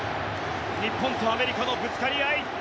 日本とアメリカのぶつかり合い。